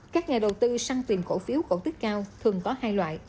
các nhà đầu tư săn tiền cổ phiếu cổ tức cao thường có hai loại